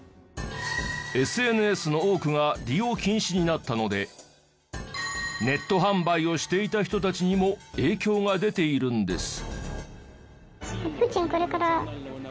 ＳＮＳの多くが利用禁止になったのでネット販売をしていた人たちにも影響が出ているんです。